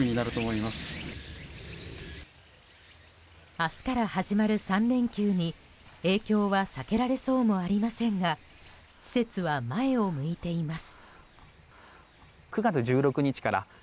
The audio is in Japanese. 明日から始まる３連休に影響は避けられそうもありませんが施設は前を向いています。